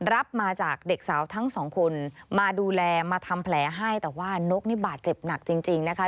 รับมาจากเด็กสาวทั้งสองคนมาดูแลมาทำแผลให้แต่ว่านกนี่บาดเจ็บหนักจริงนะคะ